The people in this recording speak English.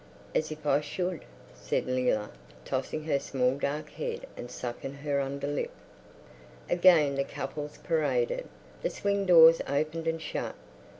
"As if I should!" said Leila, tossing her small dark head and sucking her underlip.... Again the couples paraded. The swing doors opened and shut.